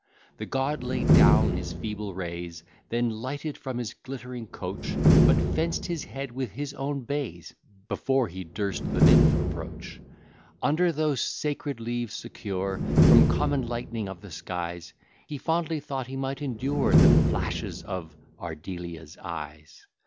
The god laid down his feeble rays, Then lighted from his glitt'ring coach; But fenc'd his head with his own bays, Before he durst the nymph approach. Under those sacred leaves, secure From common lightning of the skies, He fondly thought he might endure The flashes of Ardelia's eyes.